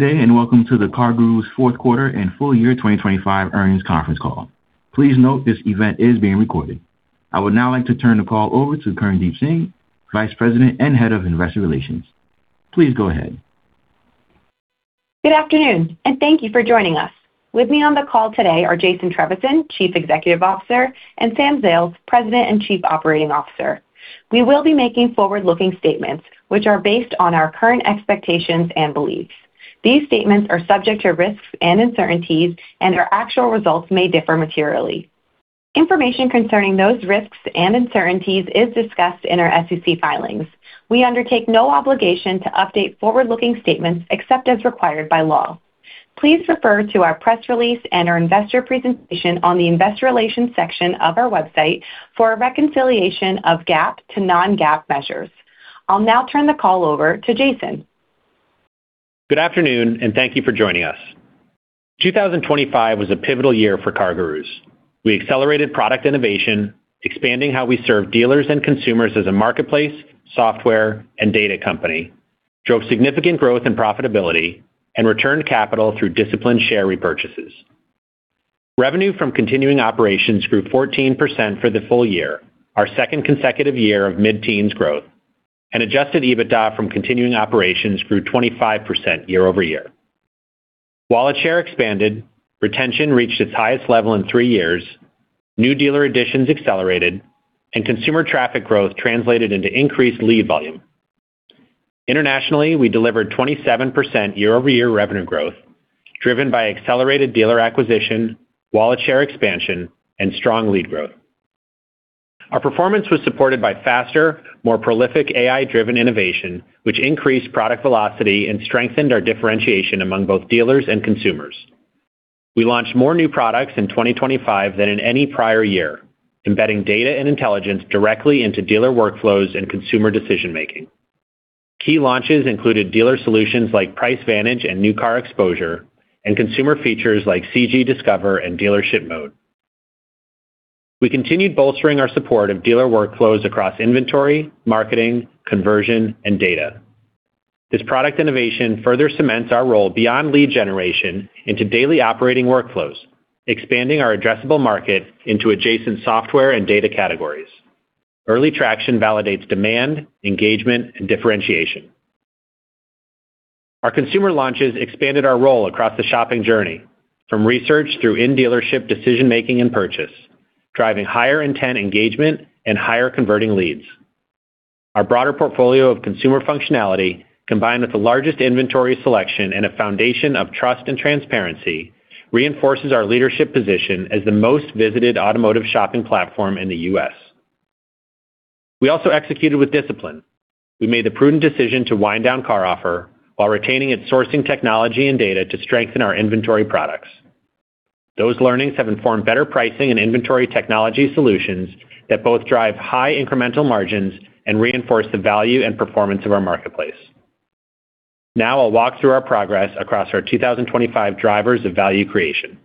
Good day, and welcome to the CarGurus' fourth quarter and full year 2025 earnings conference call. Please note, this event is being recorded. I would now like to turn the call over to Kirndeep Singh, Vice President and Head of Investor Relations. Please go ahead. Good afternoon, and thank you for joining us. With me on the call today are Jason Trevisan, Chief Executive Officer, and Sam Zales, President and Chief Operating Officer. We will be making forward-looking statements, which are based on our current expectations and beliefs. These statements are subject to risks and uncertainties, and our actual results may differ materially. Information concerning those risks and uncertainties is discussed in our SEC filings. We undertake no obligation to update forward-looking statements except as required by law. Please refer to our press release and our investor presentation on the investor relations section of our website for a reconciliation of GAAP to non-GAAP measures. I'll now turn the call over to Jason. Good afternoon, and thank you for joining us. 2025 was a pivotal year for CarGurus. We accelerated product innovation, expanding how we serve dealers and consumers as a marketplace, software, and data company, drove significant growth and profitability, and returned capital through disciplined share repurchases. Revenue from continuing operations grew 14% for the full year, our second consecutive year of mid-teens growth, and Adjusted EBITDA from continuing operations grew 25% year-over-year. Wallet share expanded, retention reached its highest level in three years, new dealer additions accelerated, and consumer traffic growth translated into increased lead volume. Internationally, we delivered 27% year-over-year revenue growth, driven by accelerated dealer acquisition, wallet share expansion, and strong lead growth. Our performance was supported by faster, more prolific AI-driven innovation, which increased product velocity and strengthened our differentiation among both dealers and consumers. We launched more new products in 2025 than in any prior year, embedding data and intelligence directly into dealer workflows and consumer decision-making. Key launches included dealer solutions like Price Vantage and New Car Exposure, and consumer features like CG Discover and Dealership Mode. We continued bolstering our support of dealer workflows across inventory, marketing, conversion, and data. This product innovation further cements our role beyond lead generation into daily operating workflows, expanding our addressable market into adjacent software and data categories. Early traction validates demand, engagement, and differentiation. Our consumer launches expanded our role across the shopping journey, from research through in-dealership decision-making and purchase, driving higher intent engagement and higher converting leads. Our broader portfolio of consumer functionality, combined with the largest inventory selection and a foundation of trust and transparency, reinforces our leadership position as the most visited automotive shopping platform in the U.S. We also executed with discipline. We made the prudent decision to wind down CarOffer while retaining its sourcing technology and data to strengthen our inventory products. Those learnings have informed better pricing and inventory technology solutions that both drive high incremental margins and reinforce the value and performance of our marketplace. Now I'll walk through our progress across our 2025 drivers of value creation.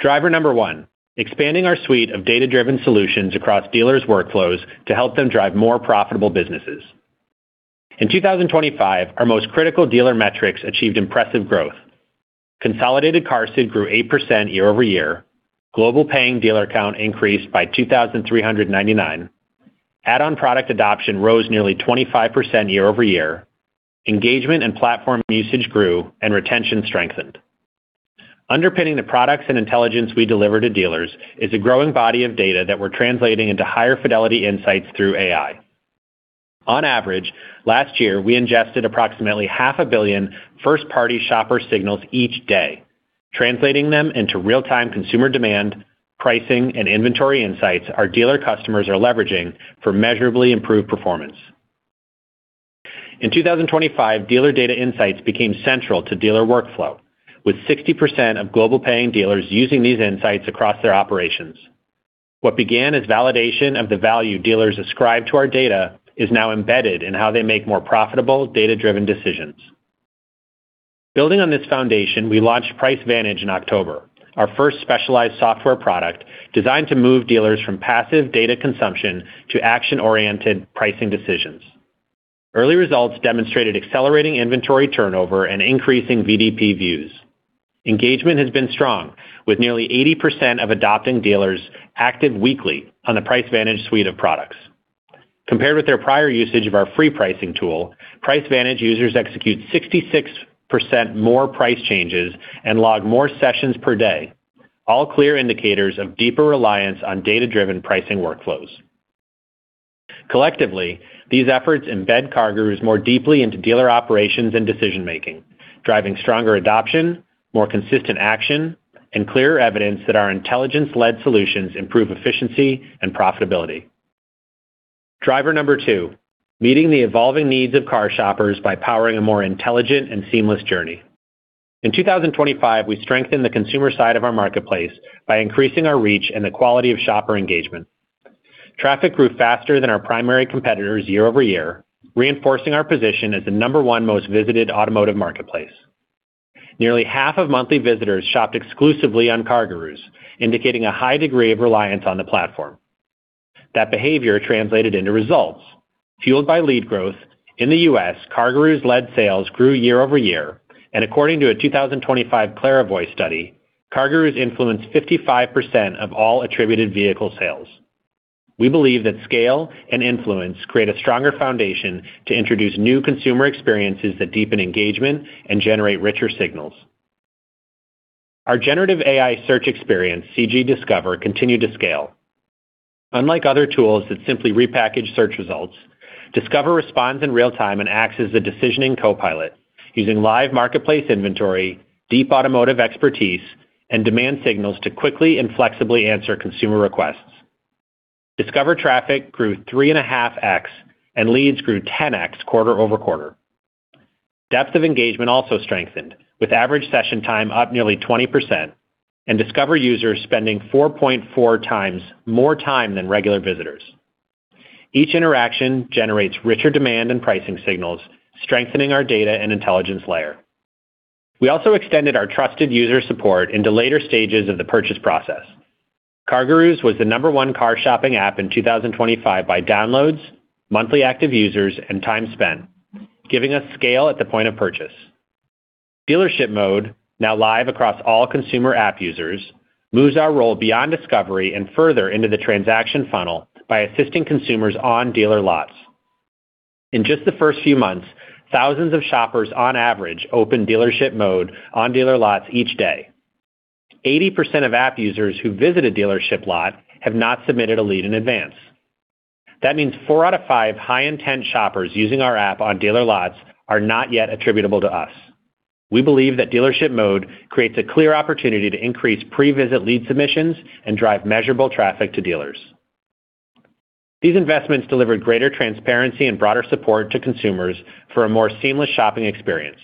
Driver number one: expanding our suite of data-driven solutions across dealers' workflows to help them drive more profitable businesses. In 2025, our most critical dealer metrics achieved impressive growth. Consolidated QARSD grew 8% year-over-year, global paying dealer count increased by 2,399, add-on product adoption rose nearly 25% year-over-year, engagement and platform usage grew, and retention strengthened. Underpinning the products and intelligence we deliver to dealers is a growing body of data that we're translating into higher fidelity insights through AI. On average, last year, we ingested approximately 500 million first-party shopper signals each day, translating them into real-time consumer demand, pricing, and inventory insights our dealer customers are leveraging for measurably improved performance. In 2025, Dealer Data Insights became central to dealer workflow, with 60% of global paying dealers using these insights across their operations. What began as validation of the value dealers ascribe to our data is now embedded in how they make more profitable, data-driven decisions. Building on this foundation, we launched Price Vantage in October, our first specialized software product designed to move dealers from passive data consumption to action-oriented pricing decisions. Early results demonstrated accelerating inventory turnover and increasing VDP views. Engagement has been strong, with nearly 80% of adopting dealers active weekly on the Price Vantage suite of products. Compared with their prior usage of our free pricing tool, Price Vantage users execute 66% more price changes and log more sessions per day. All clear indicators of deeper reliance on data-driven pricing workflows. Collectively, these efforts embed CarGurus more deeply into dealer operations and decision-making, driving stronger adoption, more consistent action, and clearer evidence that our intelligence-led solutions improve efficiency and profitability. Driver number two: meeting the evolving needs of car shoppers by powering a more intelligent and seamless journey. In 2025, we strengthened the consumer side of our marketplace by increasing our reach and the quality of shopper engagement. Traffic grew faster than our primary competitors year-over-year, reinforcing our position as the number one most visited automotive marketplace. Nearly half of monthly visitors shopped exclusively on CarGurus, indicating a high degree of reliance on the platform. That behavior translated into results. Fueled by lead growth, in the U.S., CarGurus-led sales grew year-over-year, and according to a 2025 Clarivoy study, CarGurus influenced 55% of all attributed vehicle sales. We believe that scale and influence create a stronger foundation to introduce new consumer experiences that deepen engagement and generate richer signals. Our Generative AI search experience, CG Discover, continued to scale. Unlike other tools that simply repackage search results, Discover responds in real time and acts as a decisioning copilot, using live marketplace inventory, deep automotive expertise, and demand signals to quickly and flexibly answer consumer requests. Discover traffic grew 3.5x, and leads grew 10x quarter-over-quarter. Depth of engagement also strengthened, with average session time up nearly 20% and Discover users spending 4.4x more time than regular visitors. Each interaction generates richer demand and pricing signals, strengthening our data and intelligence layer. We also extended our trusted user support into later stages of the purchase process. CarGurus was the number one car shopping app in 2025 by downloads, monthly active users, and time spent, giving us scale at the point of purchase. Dealership Mode, now live across all consumer app users, moves our role beyond discovery and further into the transaction funnel by assisting consumers on dealer lots. In just the first few months, thousands of shoppers on average open Dealership Mode on dealer lots each day. 80% of app users who visit a dealership lot have not submitted a lead in advance. That means four out of five high-intent shoppers using our app on dealer lots are not yet attributable to us. We believe that Dealership Mode creates a clear opportunity to increase pre-visit lead submissions and drive measurable traffic to dealers. These investments delivered greater transparency and broader support to consumers for a more seamless shopping experience.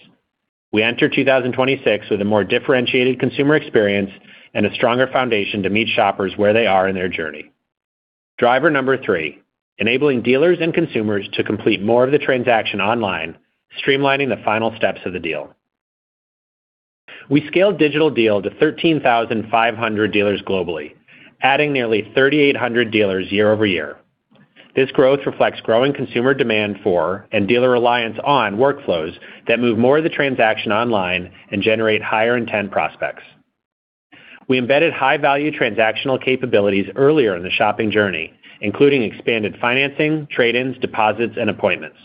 We enter 2026 with a more differentiated consumer experience and a stronger foundation to meet shoppers where they are in their journey. Driver number three: enabling dealers and consumers to complete more of the transaction online, streamlining the final steps of the deal. We scaled Digital Deal to 13,500 dealers globally, adding nearly 3,800 dealers year-over-year. This growth reflects growing consumer demand for, and dealer reliance on, workflows that move more of the transaction online and generate higher intent prospects. We embedded high-value transactional capabilities earlier in the shopping journey, including expanded financing, trade-ins, deposits, and appointments.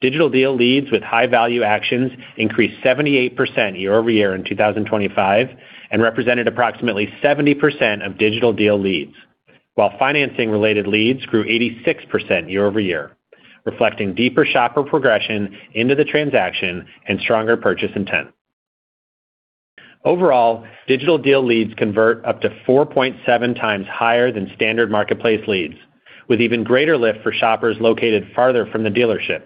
Digital Deal leads with high-value actions increased 78% year-over-year in 2025, and represented approximately 70% of Digital Deal leads, while financing-related leads grew 86% year-over-year, reflecting deeper shopper progression into the transaction and stronger purchase intent. Overall, Digital Deal leads convert up to 4.7x higher than standard marketplace leads, with even greater lift for shoppers located farther from the dealership,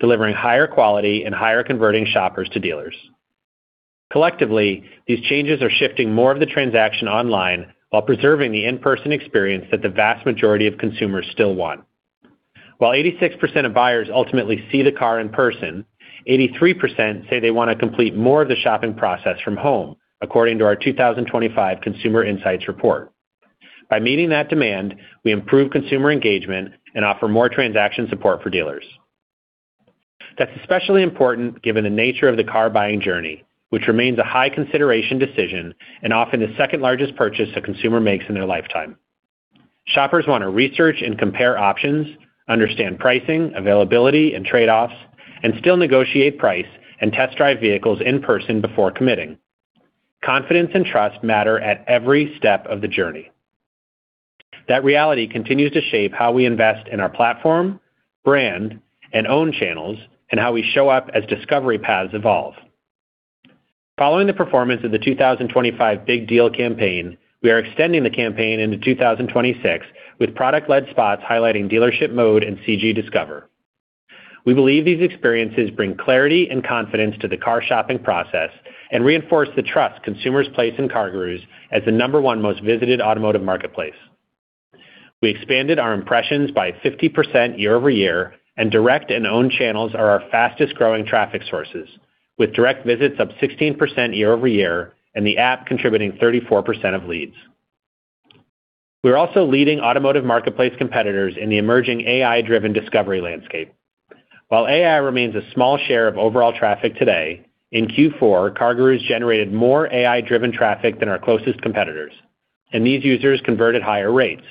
delivering higher quality and higher-converting shoppers to dealers. Collectively, these changes are shifting more of the transaction online while preserving the in-person experience that the vast majority of consumers still want. While 86% of buyers ultimately see the car in person, 83% say they want to complete more of the shopping process from home, according to our 2025 Consumer Insights Report. By meeting that demand, we improve consumer engagement and offer more transaction support for dealers. That's especially important given the nature of the car buying journey, which remains a high consideration decision and often the second-largest purchase a consumer makes in their lifetime. Shoppers want to research and compare options, understand pricing, availability, and trade-offs, and still negotiate price and test drive vehicles in person before committing. Confidence and trust matter at every step of the journey. That reality continues to shape how we invest in our platform, brand, and own channels, and how we show up as discovery paths evolve. Following the performance of the 2025 Big Deal Campaign, we are extending the campaign into 2026 with product-led spots highlighting Dealership Mode and CG Discover. We believe these experiences bring clarity and confidence to the car shopping process and reinforce the trust consumers place in CarGurus as the number one most visited automotive marketplace. We expanded our impressions by 50% year-over-year, and direct and owned channels are our fastest-growing traffic sources, with direct visits up 16% year-over-year, and the app contributing 34% of leads. We're also leading automotive marketplace competitors in the emerging AI-driven discovery landscape. While AI remains a small share of overall traffic today, in Q4, CarGurus generated more AI-driven traffic than our closest competitors, and these users converted higher rates,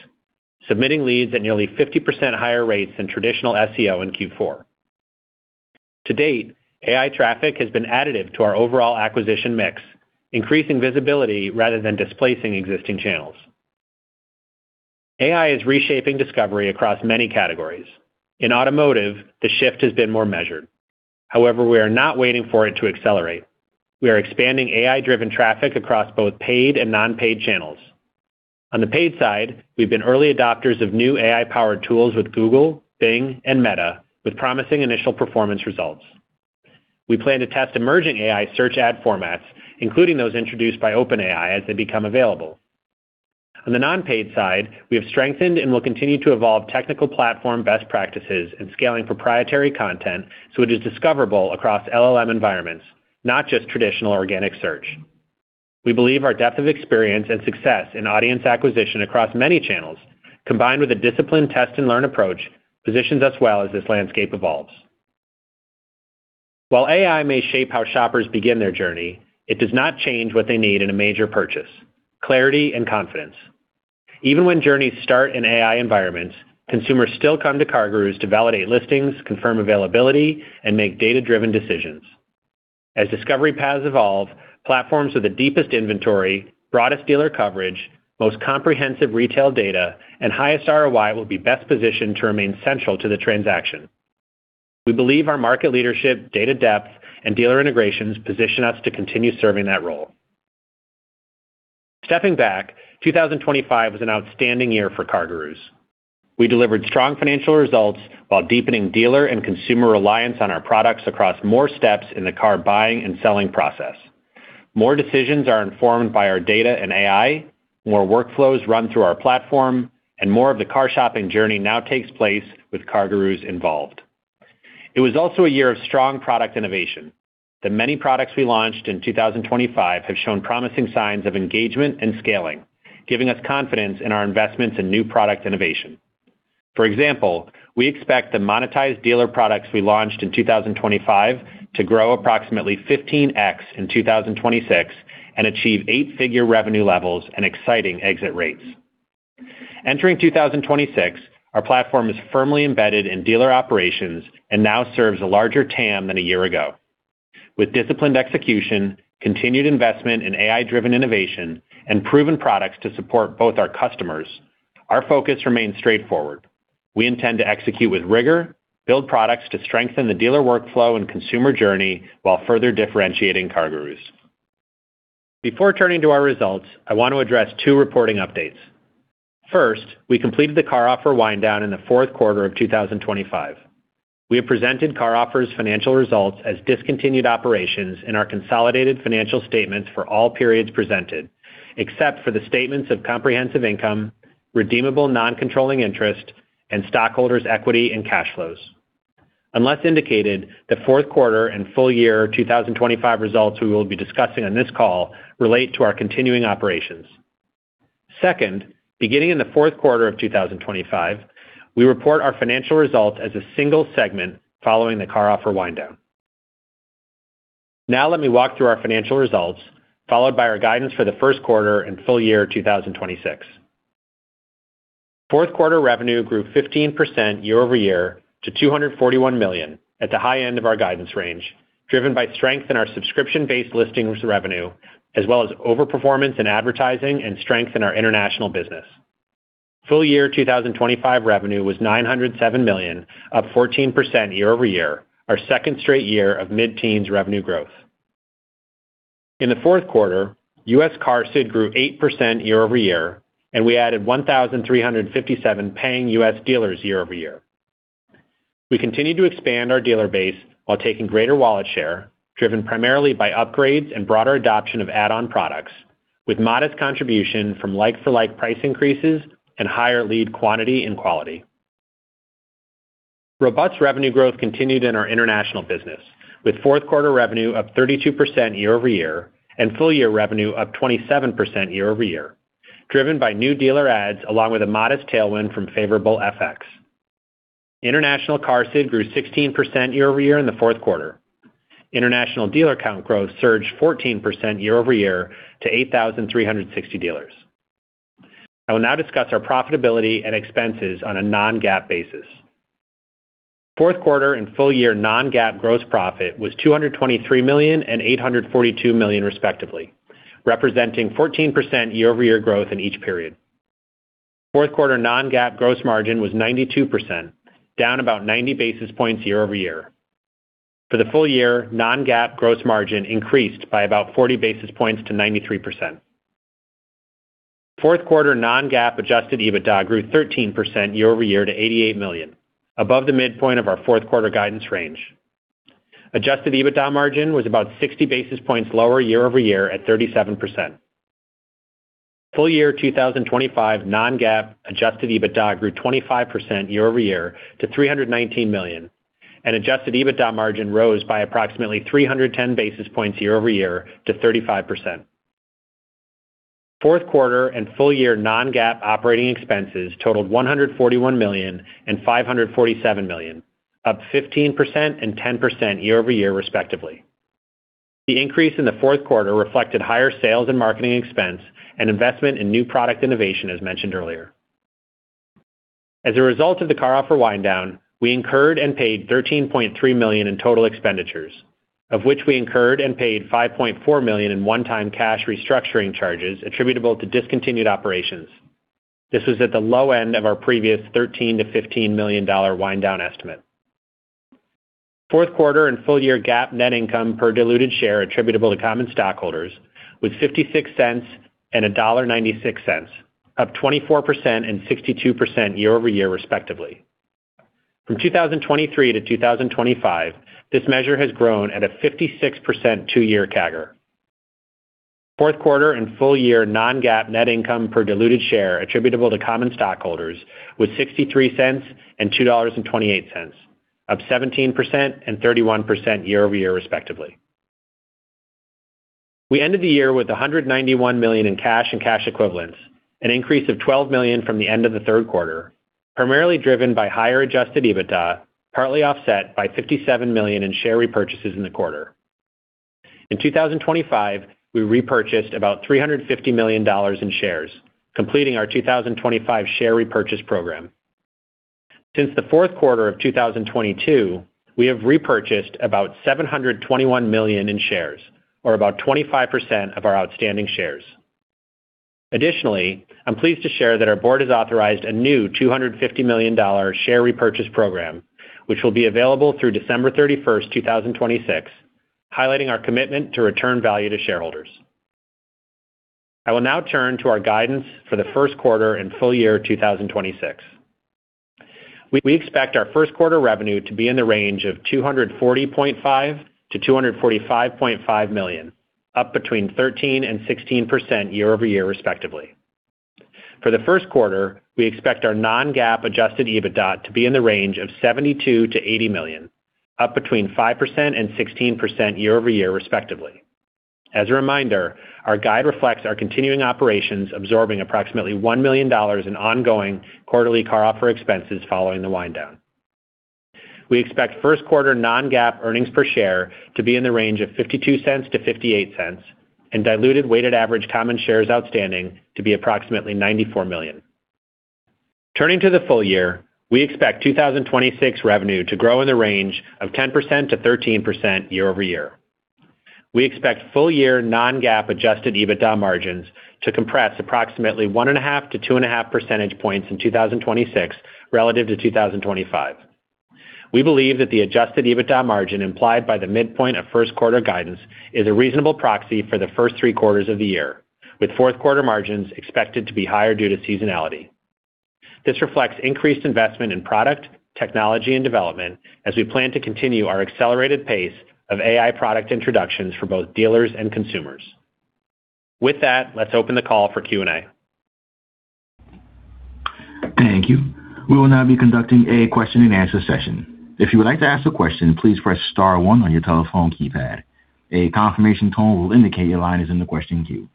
submitting leads at nearly 50% higher rates than traditional SEO in Q4. To date, AI traffic has been additive to our overall acquisition mix, increasing visibility rather than displacing existing channels. AI is reshaping discovery across many categories. In automotive, the shift has been more measured. However, we are not waiting for it to accelerate. We are expanding AI-driven traffic across both paid and non-paid channels. On the paid side, we've been early adopters of new AI-powered tools with Google, Bing, and Meta, with promising initial performance results. We plan to test emerging AI search ad formats, including those introduced by OpenAI, as they become available. On the non-paid side, we have strengthened and will continue to evolve technical platform best practices in scaling proprietary content so it is discoverable across LLM environments, not just traditional organic search. We believe our depth of experience and success in audience acquisition across many channels, combined with a disciplined test-and-learn approach, positions us well as this landscape evolves. While AI may shape how shoppers begin their journey, it does not change what they need in a major purchase: clarity and confidence. Even when journeys start in AI environments, consumers still come to CarGurus to validate listings, confirm availability, and make data-driven decisions. As discovery paths evolve, platforms with the deepest inventory, broadest dealer coverage, most comprehensive retail data, and highest ROI will be best positioned to remain central to the transaction. We believe our market leadership, data depth, and dealer integrations position us to continue serving that role. Stepping back, 2025 was an outstanding year for CarGurus. We delivered strong financial results while deepening dealer and consumer reliance on our products across more steps in the car buying and selling process. More decisions are informed by our data and AI, more workflows run through our platform, and more of the car shopping journey now takes place with CarGurus involved. It was also a year of strong product innovation. The many products we launched in 2025 have shown promising signs of engagement and scaling, giving us confidence in our investments in new product innovation. For example, we expect the monetized dealer products we launched in 2025 to grow approximately 15x in 2026, and achieve eight-figure revenue levels and exciting exit rates. Entering 2026, our platform is firmly embedded in dealer operations and now serves a larger TAM than a year ago. With disciplined execution, continued investment in AI-driven innovation, and proven products to support both our customers, our focus remains straightforward. We intend to execute with rigor, build products to strengthen the dealer workflow and consumer journey, while further differentiating CarGurus. Before turning to our results, I want to address two reporting updates. First, we completed the CarOffer wind down in the fourth quarter of 2025. We have presented CarOffer's financial results as discontinued operations in our consolidated financial statements for all periods presented, except for the statements of comprehensive income, redeemable non-controlling interest, and stockholders' equity and cash flows. Unless indicated, the fourth quarter and full year 2025 results we will be discussing on this call relate to our continuing operations. Second, beginning in the fourth quarter of 2025, we report our financial results as a single segment following the CarOffer wind down. Now let me walk through our financial results, followed by our guidance for the first quarter and full year 2026. Fourth quarter revenue grew 15% year-over-year to $241 million, at the high end of our guidance range, driven by strength in our subscription-based listings revenue, as well as overperformance in advertising and strength in our international business. Full year 2025 revenue was $907 million, up 14% year-over-year, our second straight year of mid-teens revenue growth. In the fourth quarter, U.S. QARSD grew 8% year-over-year, and we added 1,357 paying US dealers year-over-year. We continued to expand our dealer base while taking greater wallet share, driven primarily by upgrades and broader adoption of add-on products, with modest contribution from like-for-like price increases and higher lead quantity and quality. Robust revenue growth continued in our international business, with fourth quarter revenue up 32% year-over-year, and full year revenue up 27% year-over-year, driven by new dealer adds, along with a modest tailwind from favorable FX. International QARSD grew 16% year-over-year in the fourth quarter. International dealer count growth surged 14% year-over-year to 8,360 dealers. I will now discuss our profitability and expenses on a non-GAAP basis. Fourth quarter and full-year non-GAAP gross profit was $223 million and $842 million, respectively, representing 14% year-over-year growth in each period. Fourth quarter non-GAAP gross margin was 92%, down about 90 basis points year-over-year. For the full year, non-GAAP gross margin increased by about 40 basis points to 93%. Fourth quarter non-GAAP Adjusted EBITDA grew 13% year-over-year to $88 million, above the midpoint of our fourth quarter guidance range. Adjusted EBITDA margin was about 60 basis points lower year-over-year at 37%. Full-year 2025 non-GAAP Adjusted EBITDA grew 25% year-over-year to $319 million, and Adjusted EBITDA margin rose by approximately 310 basis points year-over-year to 35%. Fourth quarter and full-year non-GAAP operating expenses totaled $141 million and $547 million, up 15% and 10% year-over-year, respectively. The increase in the fourth quarter reflected higher sales and marketing expense and investment in new product innovation, as mentioned earlier. As a result of the CarOffer wind down, we incurred and paid $13.3 million in total expenditures, of which we incurred and paid $5.4 million in one-time cash restructuring charges attributable to discontinued operations. This was at the low end of our previous $13 million-$15 million wind down estimate. Fourth quarter and full-year GAAP net income per diluted share attributable to common stockholders was $0.56 and $1.96, up 24% and 62% year-over-year, respectively. From 2023 to 2025, this measure has grown at a 56% two-year CAGR. Fourth quarter and full-year non-GAAP net income per diluted share attributable to common stockholders was $0.63 and $2.28,... up 17% and 31% year-over-year, respectively. We ended the year with $191 million in cash and cash equivalents, an increase of $12 million from the end of the third quarter, primarily driven by higher Adjusted EBITDA, partly offset by $57 million in share repurchases in the quarter. In 2025, we repurchased about $350 million in shares, completing our 2025 share repurchase program. Since the fourth quarter of 2022, we have repurchased about $721 million in shares, or about 25% of our outstanding shares. Additionally, I'm pleased to share that our board has authorized a new $250 million share repurchase program, which will be available through December 31, 2026, highlighting our commitment to return value to shareholders. I will now turn to our guidance for the first quarter and full year 2026. We expect our first quarter revenue to be in the range of $240.5 million-$245.5 million, up between 13%-16% year-over-year, respectively. For the first quarter, we expect our non-GAAP Adjusted EBITDA to be in the range of $72 million-$80 million, up between 5%-16% year-over-year, respectively. As a reminder, our guide reflects our continuing operations, absorbing approximately $1 million in ongoing quarterly CarOffer expenses following the wind down. We expect first quarter non-GAAP earnings per share to be in the range of $0.52-$0.58, and diluted weighted average common shares outstanding to be approximately 94 million. Turning to the full year, we expect 2026 revenue to grow in the range of 10%-13% year-over-year. We expect full-year non-GAAP Adjusted EBITDA margins to compress approximately 1.5-2.5 percentage points in 2026 relative to 2025. We believe that the Adjusted EBITDA margin implied by the midpoint of first quarter guidance is a reasonable proxy for the first three quarters of the year, with fourth quarter margins expected to be higher due to seasonality. This reflects increased investment in product, technology and development as we plan to continue our accelerated pace of AI product introductions for both dealers and consumers. With that, let's open the call for Q&A. Thank you. We will now be conducting a question-and-answer session. If you would like to ask a question, please press star one on your telephone keypad. A confirmation tone will indicate your line is in the question queue.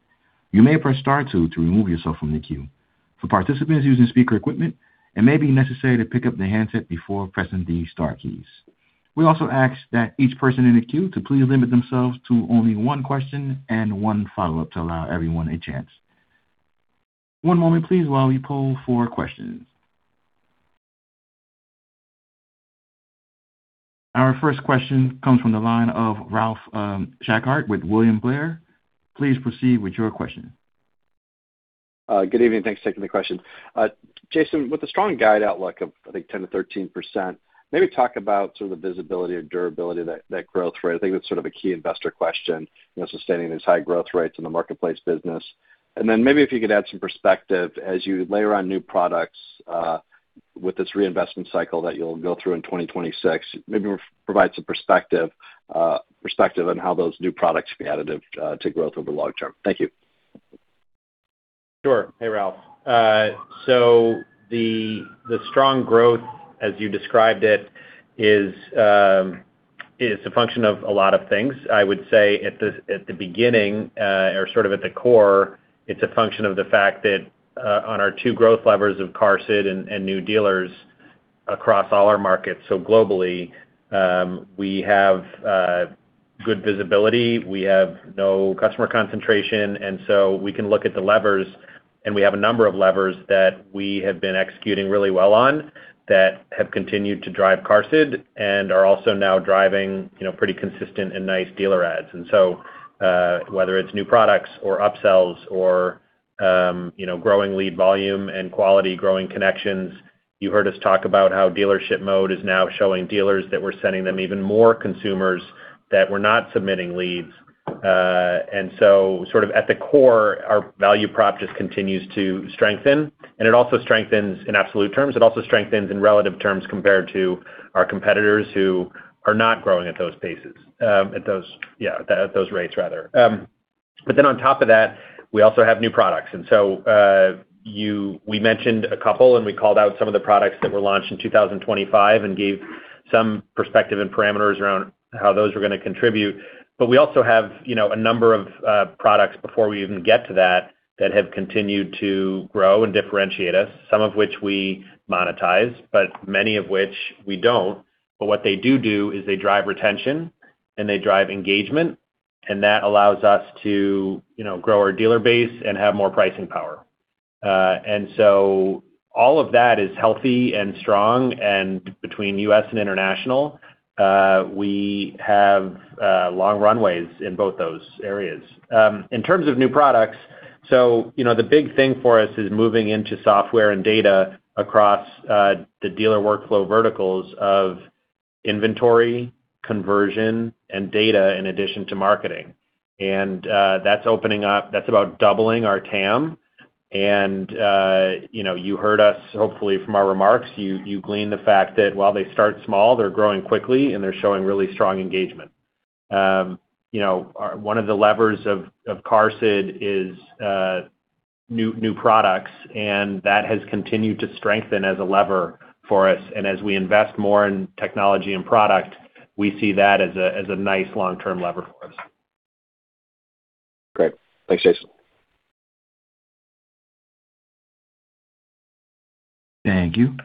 You may press star two to remove yourself from the queue. For participants using speaker equipment, it may be necessary to pick up the handset before pressing the star keys. We also ask that each person in the queue to please limit themselves to only one question and one follow-up to allow everyone a chance. One moment, please, while we poll for questions. Our first question comes from the line of Ralph Schackart with William Blair. Please proceed with your question. Good evening. Thanks for taking the question. Jason, with the strong guide outlook of, I think, 10%-13%, maybe talk about sort of the visibility or durability of that, that growth rate. I think that's sort of a key investor question, you know, sustaining these high growth rates in the marketplace business. And then maybe if you could add some perspective as you layer on new products, with this reinvestment cycle that you'll go through in 2026. Maybe provide some perspective, perspective on how those new products be additive, to growth over the long term. Thank you. Sure. Hey, Ralph. So the, the strong growth, as you described it, is, is a function of a lot of things. I would say at the, at the beginning, or sort of at the core, it's a function of the fact that, on our two growth levers of QARSD and, and new dealers across all our markets, so globally, we have, good visibility, we have no customer concentration, and so we can look at the levers, and we have a number of levers that we have been executing really well on that have continued to drive QARSD and are also now driving, you know, pretty consistent and nice dealer adds. Whether it's new products or upsells or, you know, growing lead volume and quality, growing connections, you heard us talk about how Dealership Mode is now showing dealers that we're sending them even more consumers that we're not submitting leads. And so sort of at the core, our value prop just continues to strengthen, and it also strengthens in absolute terms. It also strengthens in relative terms compared to our competitors who are not growing at those paces, yeah, at those rates rather. But then on top of that, we also have new products. We mentioned a couple, and we called out some of the products that were launched in 2025 and gave some perspective and parameters around how those were gonna contribute. But we also have, you know, a number of, products before we even get to that, that have continued to grow and differentiate us, some of which we monetize, but many of which we don't. But what they do do, is they drive retention and they drive engagement, and that allows us to, you know, grow our dealer base and have more pricing power. And so all of that is healthy and strong, and between U.S. and international, we have, long runways in both those areas. In terms of new products, so, you know, the big thing for us is moving into software and data across, the dealer workflow verticals of inventory, conversion, and data in addition to marketing. And, that's opening up. That's about doubling our TAM. You know, you heard us, hopefully, from our remarks, you gleaned the fact that while they start small, they're growing quickly, and they're showing really strong engagement. You know, one of the levers of QARSD is new products, and that has continued to strengthen as a lever for us. As we invest more in technology and product, we see that as a nice long-term lever for us. Great. Thanks, Jason. Thank you.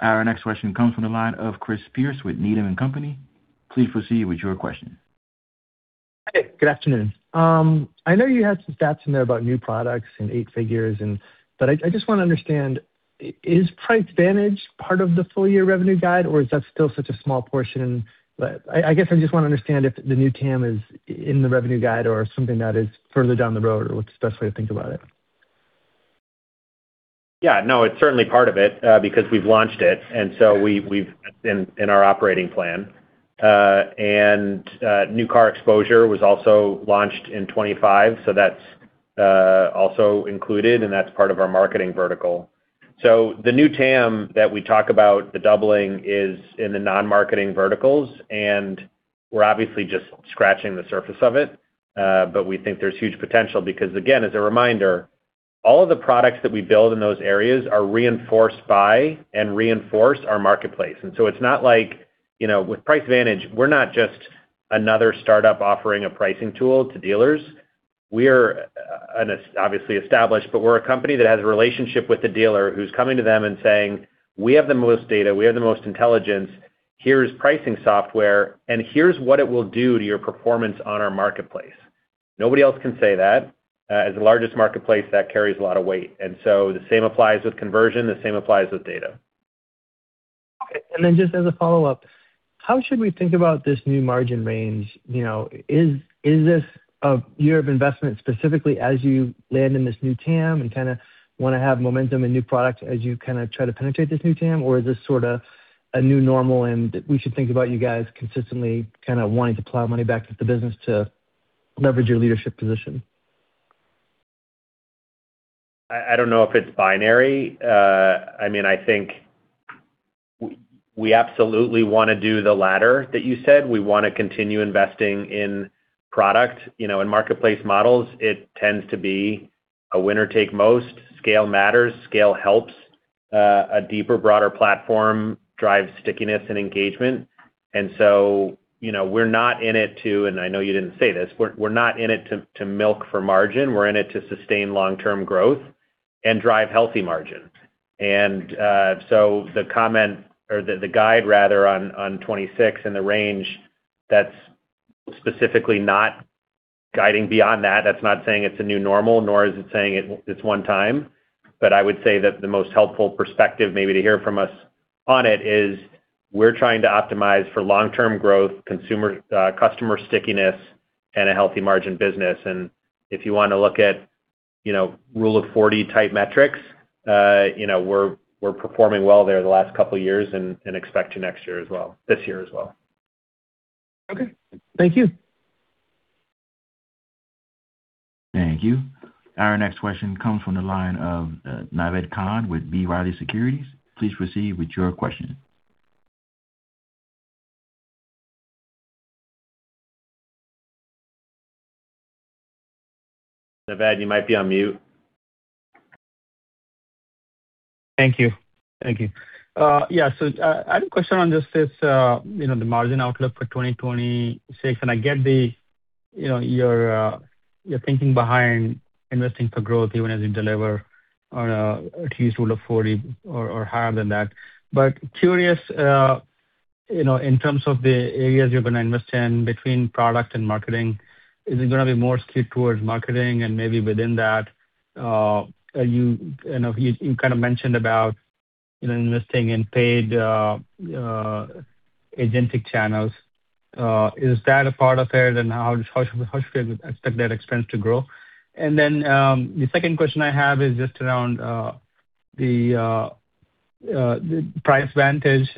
Our next question comes from the line of Chris Pierce with Needham and Company. Please proceed with your question. Hey, good afternoon. I know you had some stats in there about new products and eight figures, but I just want to understand, is Price Vantage part of the full year revenue guide, or is that still such a small portion? But I guess I just want to understand if the new TAM is in the revenue guide or something that is further down the road, or what's the best way to think about it? Yeah, no, it's certainly part of it, because we've launched it, and so we've in our operating plan. New Car Exposure was also launched in 2025, so that's also included, and that's part of our marketing vertical. So the new TAM that we talk about, the doubling, is in the non-marketing verticals, and we're obviously just scratching the surface of it. But we think there's huge potential because, again, as a reminder, all of the products that we build in those areas are reinforced by and reinforce our marketplace. And so it's not like, you know, with Price Vantage, we're not just another startup offering a pricing tool to dealers. We're an obviously established, but we're a company that has a relationship with the dealer who's coming to them and saying, "We have the most data. We have the most intelligence. Here's pricing software, and here's what it will do to your performance on our marketplace." Nobody else can say that. As the largest marketplace, that carries a lot of weight, and so the same applies with conversion, the same applies with data. Okay. Just as a follow-up, how should we think about this new margin range? You know, is this a year of investment, specifically as you land in this new TAM and kind of want to have momentum and new product as you kind of try to penetrate this new TAM? Or is this sort of a new normal, and we should think about you guys consistently kind of wanting to plow money back into the business to leverage your leadership position? I don't know if it's binary. I mean, I think we absolutely want to do the latter that you said. We want to continue investing in product. You know, in marketplace models, it tends to be a winner-take-most. Scale matters, scale helps. A deeper, broader platform drives stickiness and engagement. And so, you know, we're not in it to... And I know you didn't say this. We're not in it to milk for margin. We're in it to sustain long-term growth and drive healthy margins. So the comment or the guide rather on 2026 and the range, that's specifically not guiding beyond that. That's not saying it's a new normal, nor is it saying it, it's one time. I would say that the most helpful perspective maybe to hear from us on it is, we're trying to optimize for long-term growth, consumer, customer stickiness, and a healthy margin business. If you want to look at, you know, Rule of Forty-type metrics, you know, we're performing well there the last couple of years and expect to next year as well, this year as well. Okay. Thank you. Thank you. Our next question comes from the line of Naved Khan with B. Riley Securities. Please proceed with your question. Naved, you might be on mute. Thank you. Thank you. Yeah, so, I had a question on just this, you know, the margin outlook for 2026, and I get the, you know, your thinking behind investing for growth even as you deliver on, at least Rule of Forty or higher than that. But curious, you know, in terms of the areas you're going to invest in between product and marketing, is it going to be more skewed towards marketing and maybe within that, you kind of mentioned about, you know, investing in paid agentic channels. Is that a part of it, and how should we expect that expense to grow? And then, the second question I have is just around the Price Vantage.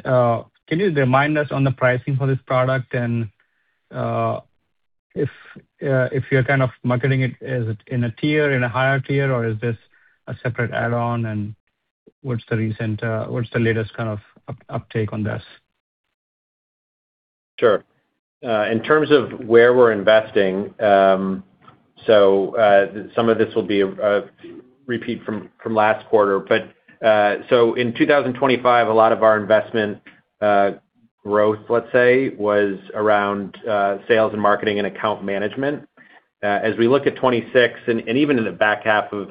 Can you remind us on the pricing for this product? And, if you're kind of marketing it, is it in a tier, in a higher tier, or is this a separate add-on? And what's the recent, what's the latest kind of uptake on this? Sure. In terms of where we're investing, so some of this will be a repeat from last quarter. But so in 2025, a lot of our investment growth, let's say, was around sales and marketing and account management. As we look at 2026 and even in the back half of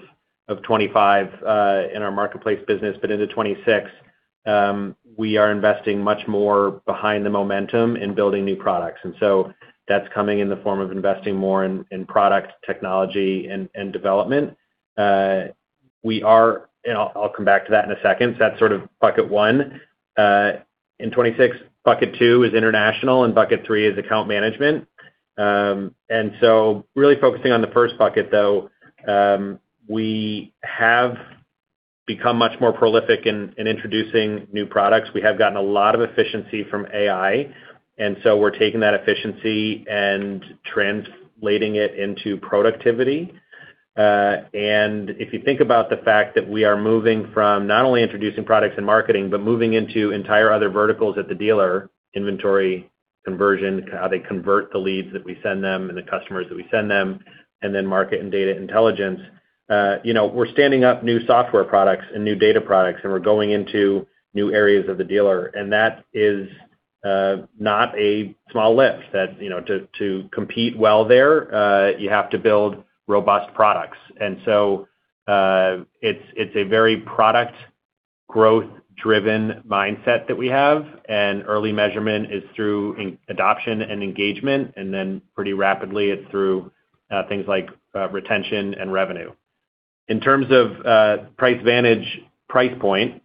2025, in our marketplace business, but into 2026, we are investing much more behind the momentum in building new products. And so that's coming in the form of investing more in product technology and development. We are, and I'll come back to that in a second. So that's sort of bucket one. In 2026, bucket two is international, and bucket three is account management. And so really focusing on the first bucket, though, we have become much more prolific in introducing new products. We have gotten a lot of efficiency from AI, and so we're taking that efficiency and translating it into productivity. If you think about the fact that we are moving from not only introducing products and marketing, but moving into entire other verticals at the dealer, inventory conversion, how they convert the leads that we send them and the customers that we send them, and then market and data intelligence. You know, we're standing up new software products and new data products, and we're going into new areas of the dealer. And that is not a small lift. That, you know, to compete well there, you have to build robust products. And so, it's a very product growth-driven mindset that we have, and early measurement is through in-adoption and engagement, and then pretty rapidly it's through things like retention and revenue. In terms of Price Vantage price point,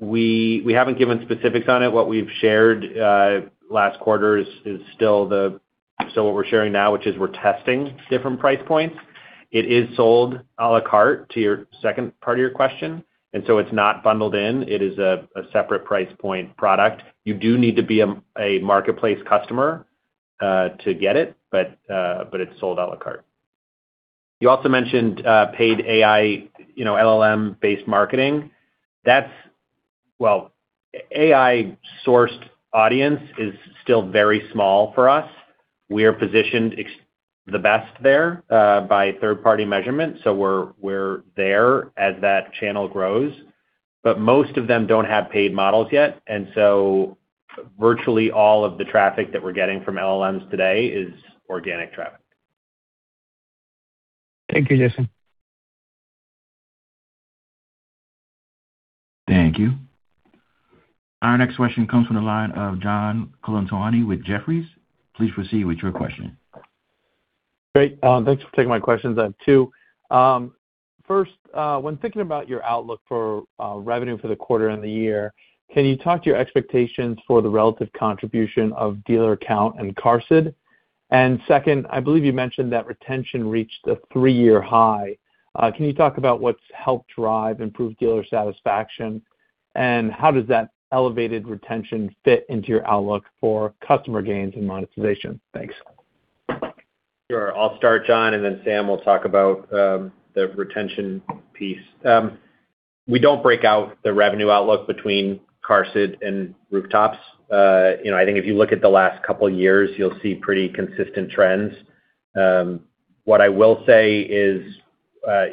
we haven't given specifics on it. What we've shared last quarter is still what we're sharing now, which is we're testing different price points. It is sold a la carte, to your second part of your question, and so it's not bundled in. It is a separate price point product. You do need to be a marketplace customer to get it, but it's sold a la carte. You also mentioned paid AI, you know, LLM-based marketing. That's. Well, AI-sourced audience is still very small for us. We are positioned as the best there by third-party measurement, so we're there as that channel grows. But most of them don't have paid models yet, and so virtually all of the traffic that we're getting from LLMs today is organic traffic. Thank you, Jason. Thank you. Our next question comes from the line of John Colantuoni with Jefferies. Please proceed with your question. Great. Thanks for taking my questions. I have two. First, when thinking about your outlook for revenue for the quarter and the year, can you talk to your expectations for the relative contribution of dealer count and QARSD? And second, I believe you mentioned that retention reached a three-year high. Can you talk about what's helped drive improved dealer satisfaction, and how does that elevated retention fit into your outlook for customer gains and monetization? Thanks. Sure. I'll start, John, and then Sam will talk about the retention piece. We don't break out the revenue outlook between QARSD and Rooftops. You know, I think if you look at the last couple of years, you'll see pretty consistent trends. What I will say is,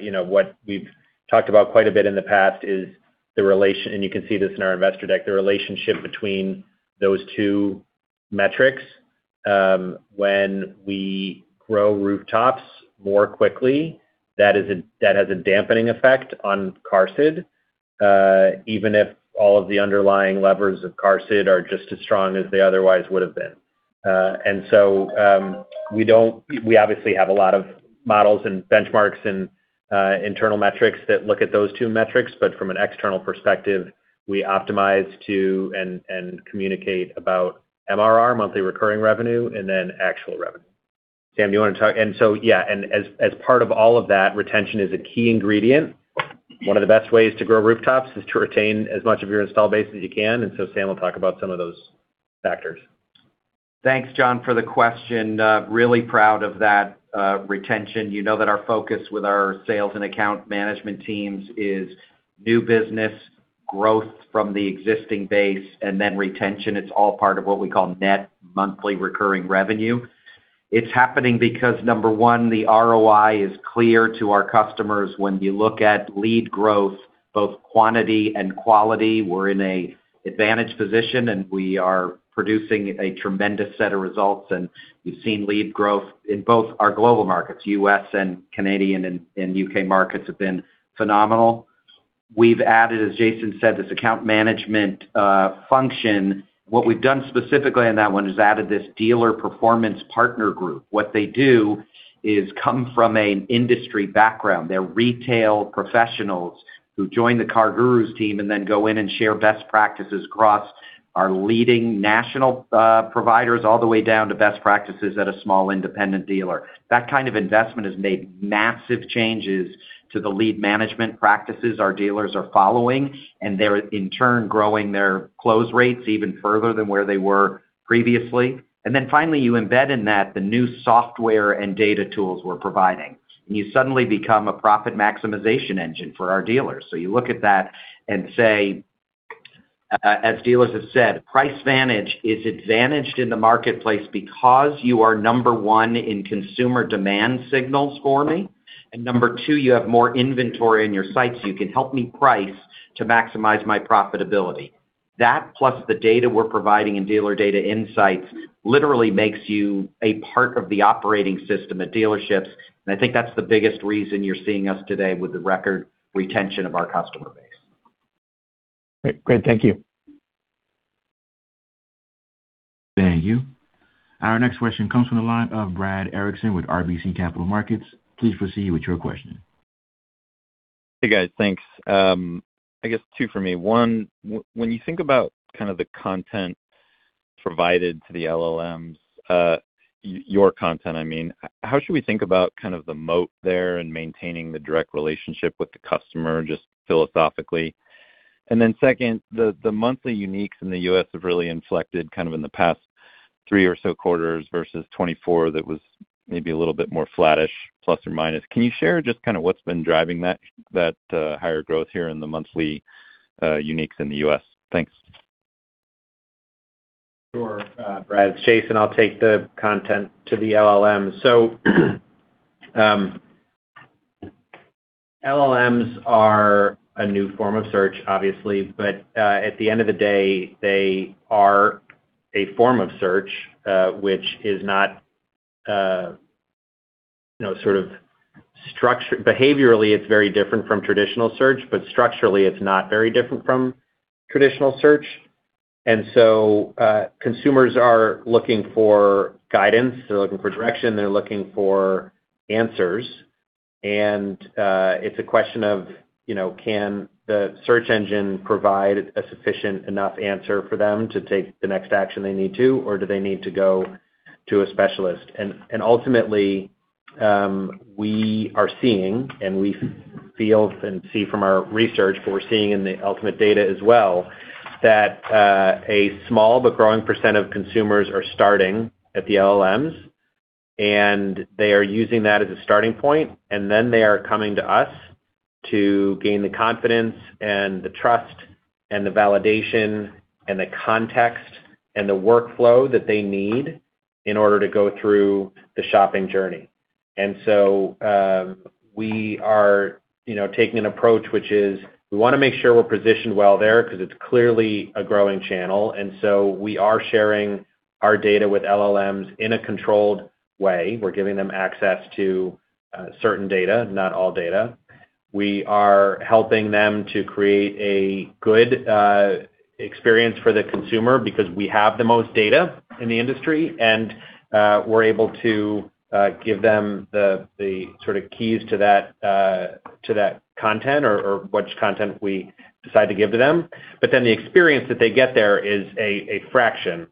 you know, what we've talked about quite a bit in the past is the relation, and you can see this in our investor deck, the relationship between those two metrics. When we grow Rooftops more quickly, that has a dampening effect on QARSD, even if all of the underlying levers of QARSD are just as strong as they otherwise would have been. So, we obviously have a lot of models and benchmarks and internal metrics that look at those two metrics, but from an external perspective, we optimize to and communicate about MRR, Monthly Recurring Revenue, and then actual revenue. Sam, do you want to talk? So, yeah, and as part of all of that, retention is a key ingredient. One of the best ways to grow rooftops is to retain as much of your installed base as you can, and so Sam will talk about some of those factors. Thanks, John, for the question. Really proud of that retention. You know that our focus with our sales and account management teams is new business growth from the existing base and then retention. It's all part of what we call net monthly recurring revenue. It's happening because, number one, the ROI is clear to our customers. When you look at lead growth, both quantity and quality, we're in a advantaged position, and we are producing a tremendous set of results. We've seen lead growth in both our global markets, U.S. and Canadian and U.K. markets have been phenomenal. We've added, as Jason said, this account management function. What we've done specifically on that one is added this dealer performance partner group. What they do is come from an industry background. They're retail professionals who join the CarGurus team and then go in and share best practices across our leading national providers, all the way down to best practices at a small independent dealer. That kind of investment has made massive changes to the lead management practices our dealers are following, and they're, in turn, growing their close rates even further than where they were previously. And then finally, you embed in that the new software and data tools we're providing, and you suddenly become a profit maximization engine for our dealers. So you look at that and say, as dealers have said, Price Vantage is advantaged in the marketplace because you are number one in consumer demand signals for me, and number two, you have more inventory in your sites, you can help me price to maximize my profitability. That, plus the data we're providing and Dealer Data Insights, literally makes you a part of the operating system at dealerships, and I think that's the biggest reason you're seeing us today with the record retention of our customer base. Great. Great, thank you. Thank you. Our next question comes from the line of Brad Erickson with RBC Capital Markets. Please proceed with your question. Hey, guys. Thanks. I guess two for me. One, when you think about kind of the content provided to the LLMs, your content, I mean, how should we think about kind of the moat there and maintaining the direct relationship with the customer, just philosophically? And then second, the monthly uniques in the U.S. have really inflected kind of in the past three or so quarters versus 2024, that was maybe a little bit more flattish, plus or minus. Can you share just kind of what's been driving that higher growth here in the monthly uniques in the U.S.? Thanks. Sure. Brad, it's Jason. I'll take the content to the LLM. So, LLMs are a new form of search, obviously, but at the end of the day, they are a form of search, which is not, you know, sort of structure—behaviorally, it's very different from traditional search, but structurally, it's not very different from traditional search. And so, consumers are looking for guidance, they're looking for direction, they're looking for answers. And, it's a question of, you know, can the search engine provide a sufficient enough answer for them to take the next action they need to, or do they need to go to a specialist? Ultimately, we are seeing, and we feel and see from our research, but we're seeing in the ultimate data as well, that a small but growing percent of consumers are starting at the LLMs, and they are using that as a starting point, and then they are coming to us to gain the confidence and the trust and the validation and the context and the workflow that they need in order to go through the shopping journey. So, we are, you know, taking an approach, which is, we wanna make sure we're positioned well there, 'cause it's clearly a growing channel, and so we are sharing our data with LLMs in a controlled way. We're giving them access to certain data, not all data. We are helping them to create a good experience for the consumer because we have the most data in the industry, and we're able to give them the sort of keys to that content or which content we decide to give to them. But then the experience that they get there is a fraction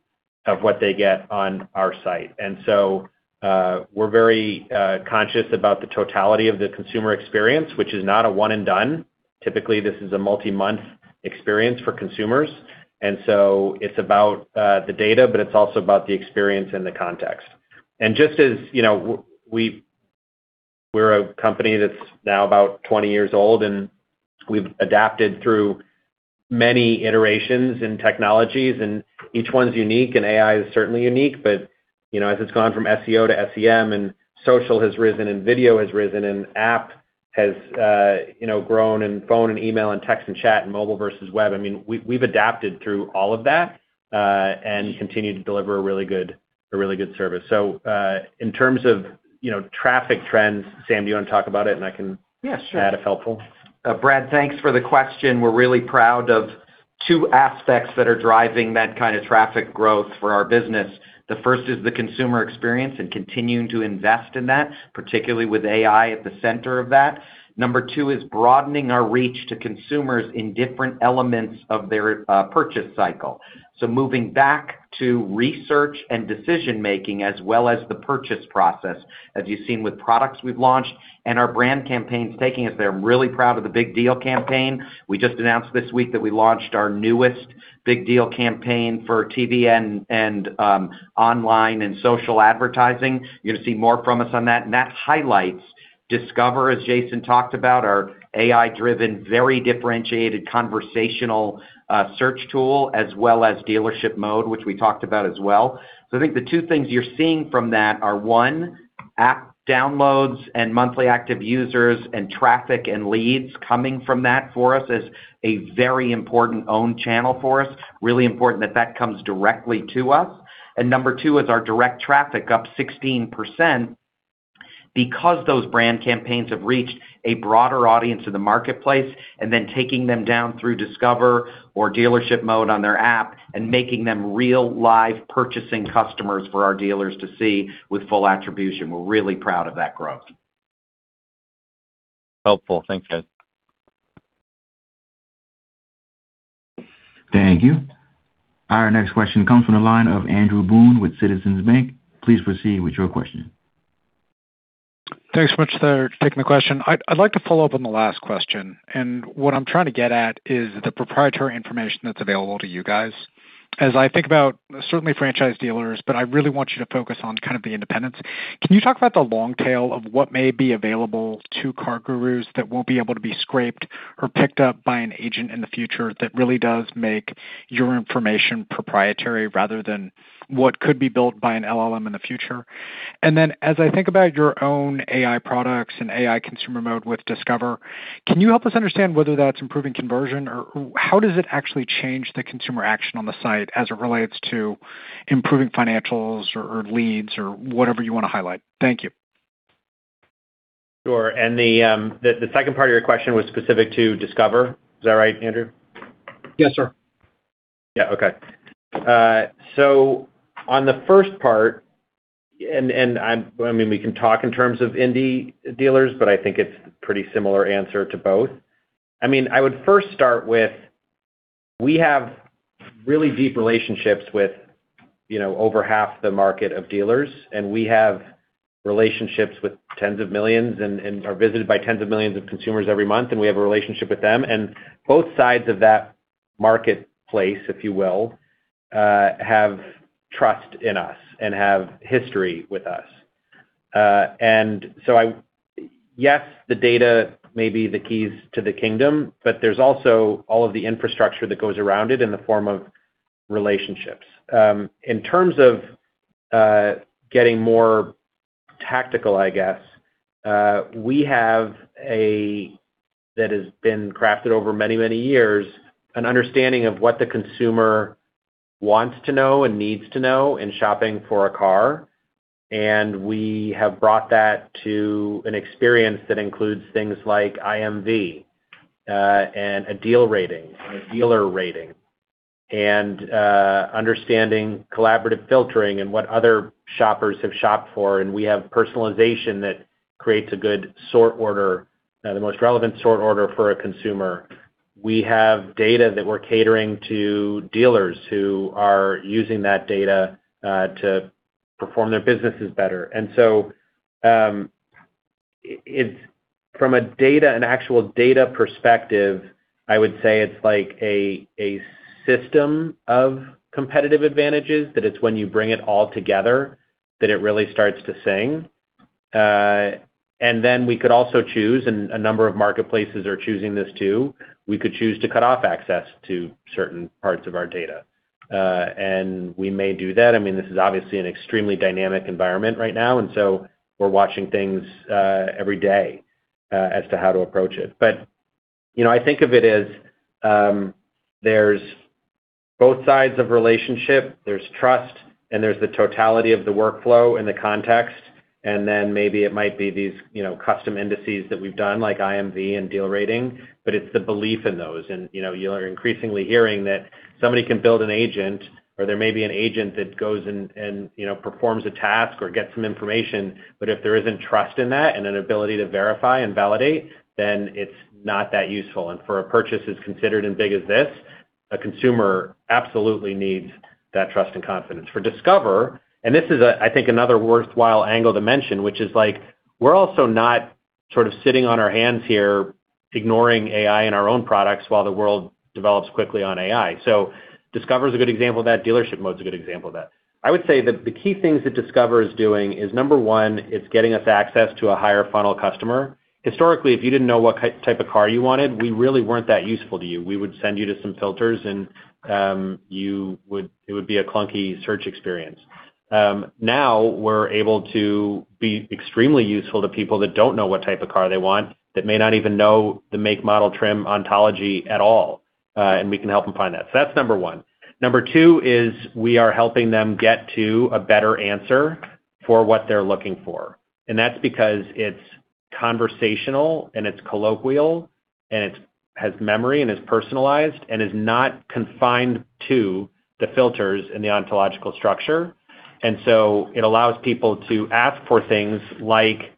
of what they get on our site. And so, we're very conscious about the totality of the consumer experience, which is not a one and done. Typically, this is a multi-month experience for consumers. And so it's about the data, but it's also about the experience and the context. And just as, you know, we are a company that's now about 20 years old, and we've adapted through many iterations in technologies, and each one's unique, and AI is certainly unique. But, you know, as it's gone from SEO to SEM, and social has risen, and video has risen, and app has, you know, grown, and phone and email and text and chat and mobile versus web, I mean, we've, we've adapted through all of that, and continued to deliver a really good, a really good service. So, in terms of, you know, traffic trends, Sam, do you wanna talk about it? And I can- Yeah, sure. - Add, if helpful. Brad, thanks for the question. We're really proud of two aspects that are driving that kind of traffic growth for our business. The first is the consumer experience and continuing to invest in that, particularly with AI at the center of that. Number two is broadening our reach to consumers in different elements of their purchase cycle. So moving back to research and decision-making, as well as the purchase process, as you've seen with products we've launched and our brand campaigns taking us there. I'm really proud of the Big Deal Campaign. We just announced this week that we launched our newest Big Deal Campaign for TV and online and social advertising. You're gonna see more from us on that, and that highlights Discover, as Jason talked about, our AI-driven, very differentiated conversational search tool, as well as Dealership Mode, which we talked about as well. So I think the two things you're seeing from that are, one, app downloads and monthly active users and traffic and leads coming from that for us is a very important own channel for us, really important that that comes directly to us. And number two is our direct traffic up 16%, because those brand campaigns have reached a broader audience in the marketplace, and then taking them down through Discover or Dealership Mode on their app and making them real, live, purchasing customers for our dealers to see with full attribution. We're really proud of that growth. Helpful. Thanks, guys. Thank you. Our next question comes from the line of Andrew Boone with Citizens Bank. Please proceed with your question. Thanks much for taking the question. I'd, I'd like to follow up on the last question, and what I'm trying to get at is the proprietary information that's available to you guys. As I think about certainly franchise dealers, but I really want you to focus on kind of the independents. Can you talk about the long tail of what may be available to CarGurus that won't be able to be scraped or picked up by an agent in the future that really does make your information proprietary, rather than what could be built by an LLM in the future? Then, as I think about your own AI products and AI consumer mode with Discover, can you help us understand whether that's improving conversion, or how does it actually change the consumer action on the site as it relates to improving financials or, or leads or whatever you wanna highlight? Thank you. Sure. And the second part of your question was specific to Discover. Is that right, Andrew? Yes, sir. Yeah. Okay. So on the first part, and I'm—I mean, we can talk in terms of indie dealers, but I think it's pretty similar answer to both. I mean, I would first start with, we have really deep relationships with, you know, over half the market of dealers, and we have relationships with tens of millions and are visited by tens of millions of consumers every month, and we have a relationship with them. And both sides of that marketplace, if you will, have trust in us and have history with us. And so I—yes, the data may be the keys to the kingdom, but there's also all of the infrastructure that goes around it in the form of relationships. In terms of getting more tactical, I guess, we have a that has been crafted over many, many years, an understanding of what the consumer wants to know and needs to know in shopping for a car. And we have brought that to an experience that includes things like IMV and a Deal Rating, a dealer rating, and understanding collaborative filtering and what other shoppers have shopped for. And we have personalization that creates a good sort order, the most relevant sort order for a consumer. We have data that we're catering to dealers who are using that data to perform their businesses better. And so, it's from a data, an actual data perspective, I would say it's like a system of competitive advantages, that it's when you bring it all together that it really starts to sing. And then we could also choose, and a number of marketplaces are choosing this, too. We could choose to cut off access to certain parts of our data, and we may do that. I mean, this is obviously an extremely dynamic environment right now, and so we're watching things every day as to how to approach it. But, you know, I think of it as, there's both sides of relationship. There's trust, and there's the totality of the workflow and the context. And then maybe it might be these, you know, custom indices that we've done, like IMV and Deal Rating, but it's the belief in those. And, you know, you're increasingly hearing that somebody can build an agent, or there may be an agent that goes and, you know, performs a task or gets some information. But if there isn't trust in that and an ability to verify and validate, then it's not that useful. And for a purchase as considered and big as this, a consumer absolutely needs that trust and confidence. For Discover, and this is, I think, another worthwhile angle to mention, which is, like, we're also not sort of sitting on our hands here, ignoring AI in our own products while the world develops quickly on AI. So Discover is a good example of that. Dealership Mode is a good example of that. I would say that the key things that Discover is doing is, number one, it's getting us access to a higher funnel customer. Historically, if you didn't know what type of car you wanted, we really weren't that useful to you. We would send you to some filters, and you would—it would be a clunky search experience. Now, we're able to be extremely useful to people that don't know what type of car they want, that may not even know the make, model, trim, ontology at all, and we can help them find that. So that's number one. Number two is we are helping them get to a better answer for what they're looking for, and that's because it's conversational, and it's colloquial, and it has memory and is personalized and is not confined to the filters and the ontological structure. And so it allows people to ask for things like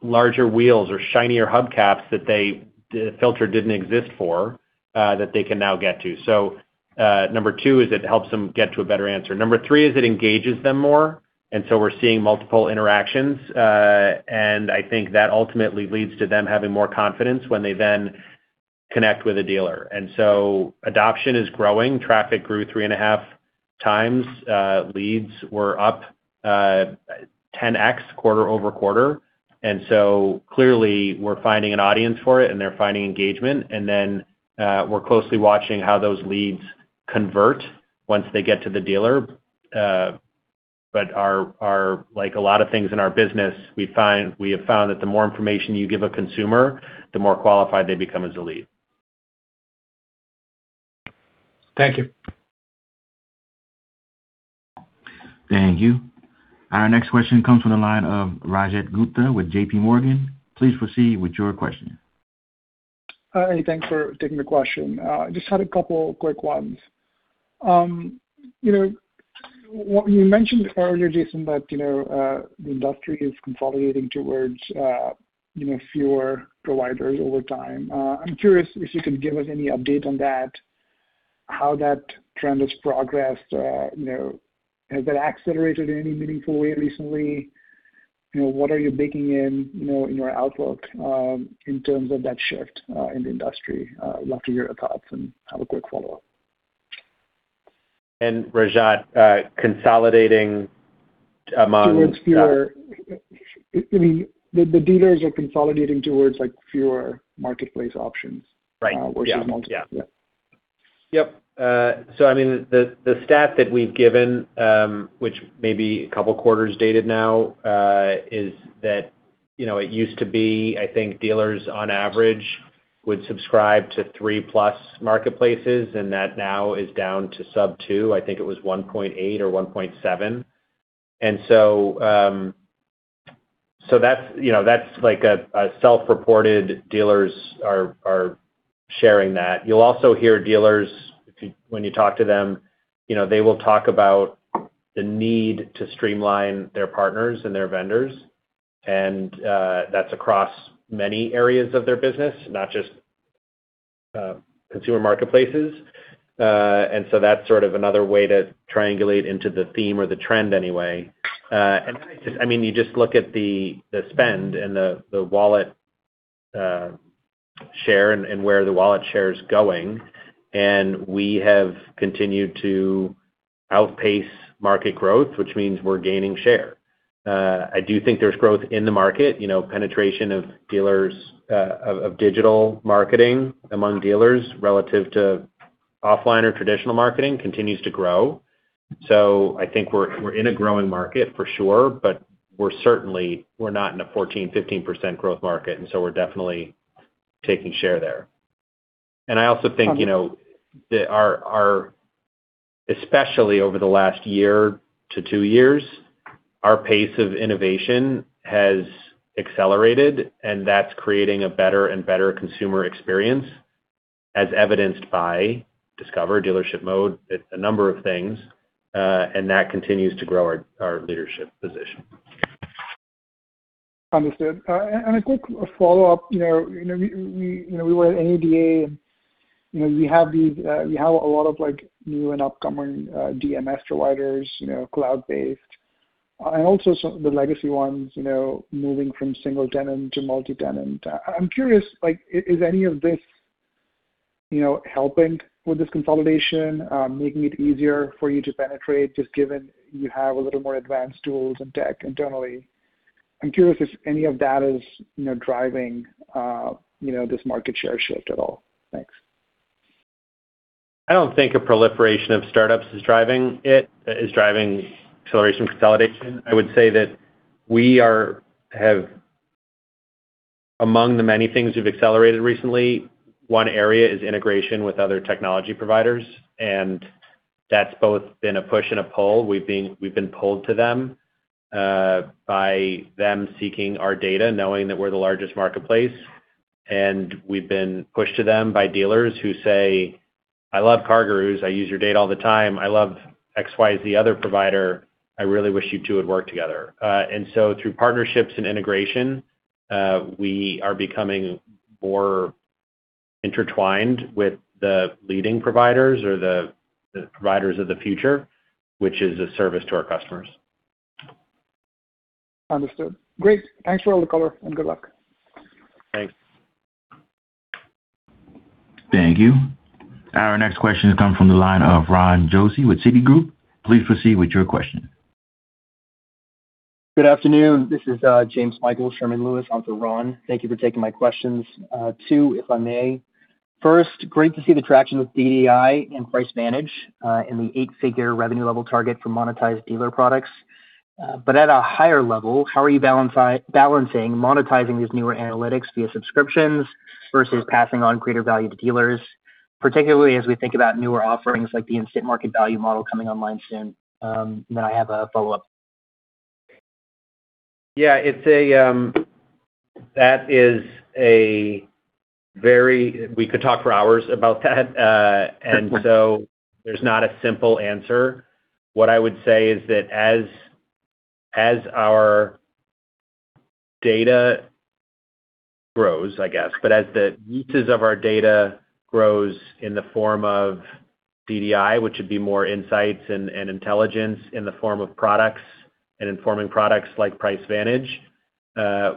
larger wheels or shinier hubcaps that they... the filter didn't exist for, that they can now get to. So, number two is it helps them get to a better answer. Number three is it engages them more, and so we're seeing multiple interactions, and I think that ultimately leads to them having more confidence when they then connect with a dealer. So adoption is growing. Traffic grew 3.5x. Leads were up 10x quarter-over-quarter. So clearly, we're finding an audience for it, and they're finding engagement. Then, we're closely watching how those leads convert once they get to the dealer. But like a lot of things in our business, we find, we have found that the more information you give a consumer, the more qualified they become as a lead. Thank you. Thank you. Our next question comes from the line of Rajat Gupta with JPMorgan. Please proceed with your question. Hi, thanks for taking the question. I just had a couple quick ones. You know, you mentioned earlier, Jason, that, you know, the industry is consolidating towards, you know, fewer providers over time. I'm curious if you can give us any update on that, how that trend has progressed. You know, has that accelerated in any meaningful way recently? You know, what are you baking in, you know, in your outlook, in terms of that shift, in the industry? Love to hear your thoughts and have a quick follow-up. Rajat, consolidating among- Towards fewer... I mean, the dealers are consolidating towards, like, fewer marketplace options. Right. Versus multiple. Yeah. Yep. So I mean, the stat that we've given, which may be a couple quarters dated now, is that, you know, it used to be, I think, dealers on average would subscribe to 3+ marketplaces, and that now is down to sub-2. I think it was 1.8 or 1.7. And so, so that's, you know, that's like a self-reported, dealers are sharing that. You'll also hear dealers, when you talk to them, you know, they will talk about the need to streamline their partners and their vendors, and that's across many areas of their business, not just consumer marketplaces. And so that's sort of another way to triangulate into the theme or the trend anyway. And then, I just—I mean, you just look at the spend and the wallet share and where the wallet share is going, and we have continued to outpace market growth, which means we're gaining share. I do think there's growth in the market, you know, penetration of dealers of digital marketing among dealers relative to offline or traditional marketing continues to grow. So I think we're in a growing market for sure, but we're certainly not in a 14%-15% growth market, and so we're definitely taking share there. I also think, you know, that our—especially over the last year to two years, our pace of innovation has accelerated, and that's creating a better and better consumer experience, as evidenced by Discover, Dealership Mode, a number of things, and that continues to grow our leadership position. Understood. And a quick follow-up. You know, we were at NADA, and you know, we have a lot of, like, new and upcoming DMS providers, you know, cloud-based, and also some of the legacy ones, you know, moving from single tenant to multi-tenant. I'm curious, like, is any of this, you know, helping with this consolidation, making it easier for you to penetrate, just given you have a little more advanced tools and tech internally? I'm curious if any of that is, you know, driving this market share shift at all. Thanks. I don't think a proliferation of startups is driving acceleration consolidation. I would say that we have among the many things we've accelerated recently, one area is integration with other technology providers, and that's both been a push and a pull. We've been pulled to them by them seeking our data, knowing that we're the largest marketplace, and we've been pushed to them by dealers who say, "I love CarGurus. I use your data all the time. I love X, Y, Z other provider. I really wish you two would work together." And so through partnerships and integration, we are becoming more intertwined with the leading providers or the providers of the future, which is a service to our customers. Understood. Great. Thanks for all the color, and good luck. Thanks. Thank you. Our next question has come from the line of Ron Josey with Citigroup. Please proceed with your question. Good afternoon. This is James Michael Sherman Lewis onto Ron. Thank you for taking my questions, two, if I may. First, great to see the traction with DDI and Price Vantage in the eight-figure revenue level target for monetized dealer products. But at a higher level, how are you balancing monetizing these newer analytics via subscriptions versus passing on greater value to dealers, particularly as we think about newer offerings like the Instant Market Value model coming online soon? Then I have a follow-up. Yeah, it's a. That is a very - we could talk for hours about that. Sure. and so there's not a simple answer. What I would say is that as, as our data grows, I guess, but as the pieces of our data grows in the form of DDI, which would be more insights and, and intelligence in the form of products and informing products like Price Vantage,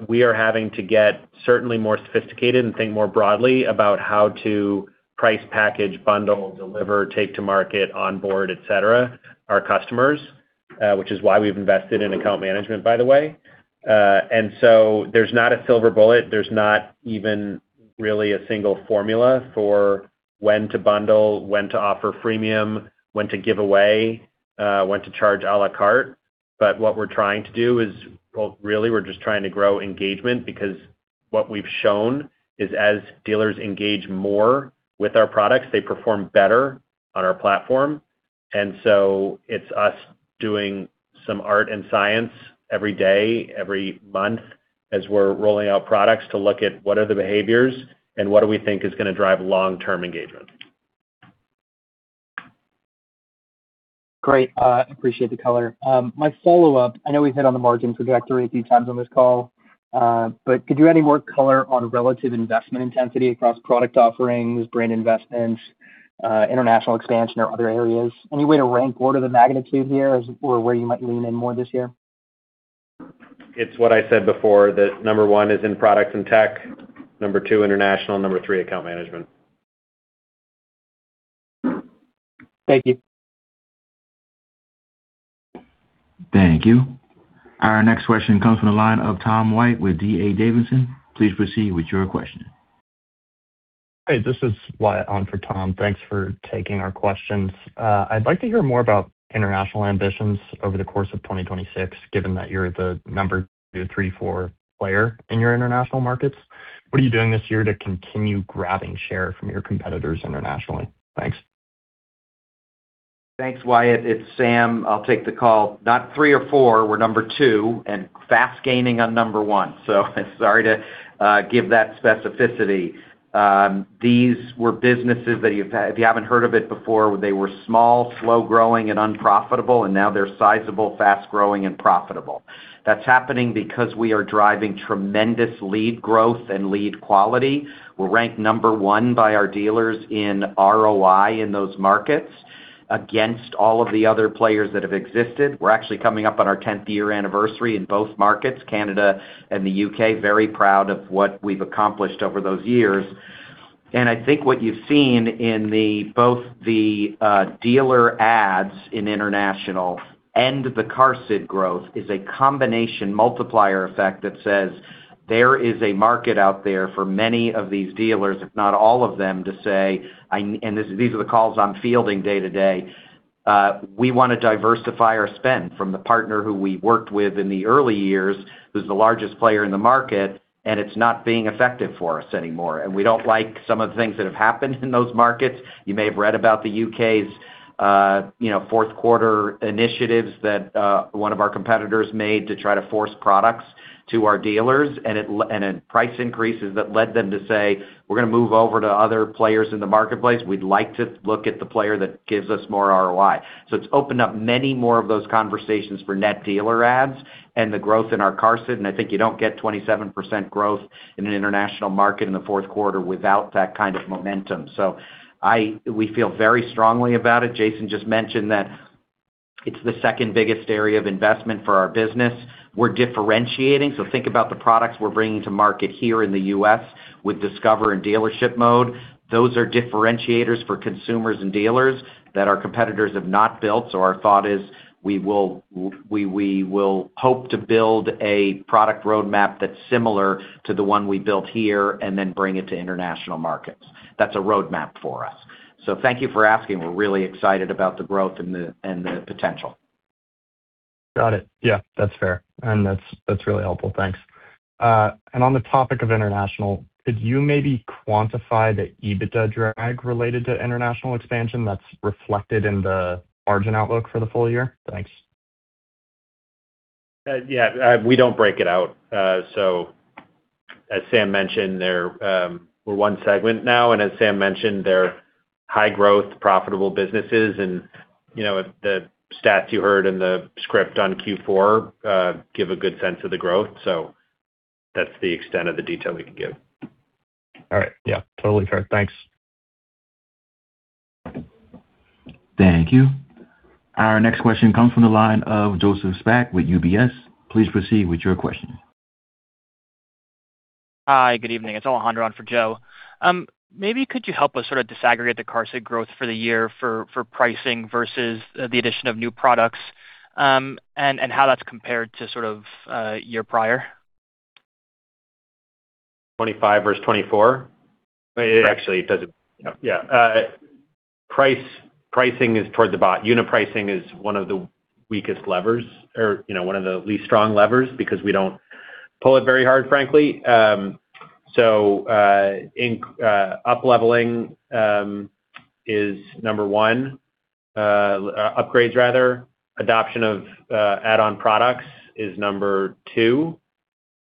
we are having to get certainly more sophisticated and think more broadly about how to price, package, bundle, deliver, take to market, onboard, et cetera, our customers, which is why we've invested in account management, by the way. And so there's not a silver bullet. There's not even really a single formula for when to bundle, when to offer freemium, when to give away, when to charge à la carte. But what we're trying to do is, well, really, we're just trying to grow engagement, because what we've shown is as dealers engage more with our products, they perform better on our platform. And so it's us doing some art and science every day, every month, as we're rolling out products to look at what are the behaviors and what do we think is gonna drive long-term engagement. Great. Appreciate the color. My follow-up, I know we've hit on the margin trajectory a few times on this call, but could you add any more color on relative investment intensity across product offerings, brand investments, international expansion or other areas? Any way to rank order the magnitude here as, or where you might lean in more this year? It's what I said before, that number one is in products and tech, number two, international, number three, account management. Thank you. Thank you. Our next question comes from the line of Tom White with D.A. Davidson. Please proceed with your question. Hey, this is Wyatt on for Tom White. Thanks for taking our questions. I'd like to hear more about international ambitions over the course of 2026, given that you're the number two, three, four player in your international markets. What are you doing this year to continue grabbing share from your competitors internationally? Thanks. Thanks, Wyatt. It's Sam. I'll take the call. Not three or four, we're number two, and fast gaining on number one. So sorry to give that specificity. These were businesses that if you, if you haven't heard of it before, they were small, slow-growing and unprofitable, and now they're sizable, fast-growing and profitable.... That's happening because we are driving tremendous lead growth and lead quality. We're ranked number one by our dealers in ROI in those markets against all of the other players that have existed. We're actually coming up on our tenth year anniversary in both markets, Canada and the U.K. Very proud of what we've accomplished over those years. And I think what you've seen in both the dealer adds in international and the QARSD growth is a combination multiplier effect that says there is a market out there for many of these dealers, if not all of them, to say, I and these are the calls I'm fielding day to day. We wanna diversify our spend from the partner who we worked with in the early years, who's the largest player in the market, and it's not being effective for us anymore, and we don't like some of the things that have happened in those markets. You may have read about the U.K.'s, you know, fourth quarter initiatives that one of our competitors made to try to force products to our dealers, and in price increases that led them to say, "We're gonna move over to other players in the marketplace. We'd like to look at the player that gives us more ROI." So it's opened up many more of those conversations for net dealer adds and the growth in our QARSD. And I think you don't get 27% growth in an international market in the fourth quarter without that kind of momentum. So we feel very strongly about it. Jason just mentioned that it's the second biggest area of investment for our business. We're differentiating, so think about the products we're bringing to market here in the U.S. with Discover and Dealership Mode. Those are differentiators for consumers and dealers that our competitors have not built. So our thought is, we will hope to build a product roadmap that's similar to the one we built here and then bring it to international markets. That's a roadmap for us. So thank you for asking. We're really excited about the growth and the potential. Got it. Yeah, that's fair, and that's, that's really helpful. Thanks. And on the topic of international, could you maybe quantify the EBITDA drag related to international expansion that's reflected in the margin outlook for the full year? Thanks. Yeah, we don't break it out. So as Sam mentioned, they're, we're one segment now, and as Sam mentioned, they're high growth, profitable businesses. And, you know, the stats you heard in the script on Q4 give a good sense of the growth. So that's the extent of the detail we can give. All right. Yeah, totally fair. Thanks. Thank you. Our next question comes from the line of Joseph Spak with UBS. Please proceed with your question. Hi, good evening. It's Alejandro on for Joe. Maybe could you help us sort of disaggregate the QARSD growth for the year for pricing versus the addition of new products, and how that's compared to sort of year prior? 2025 versus 2024? Actually, it doesn't... Yeah, price, pricing is towards the bot. Unit pricing is one of the weakest levers or, you know, one of the least strong levers because we don't pull it very hard, frankly. Upleveling is number one, upgrades rather. Adoption of add-on products is number two,